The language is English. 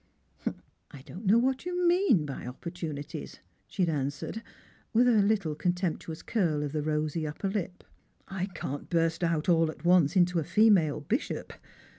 " I don't know what you mean by opportunities," she had an swered, with a little coutemptuous curl of the rosy upper lip. " I can't burst out all at once into a female bishop.